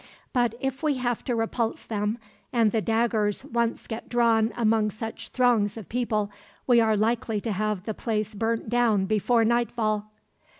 But if we have to repulse them, and the daggers once get drawn among such throngs of people, we are likely to have the place burnt down before nightfall."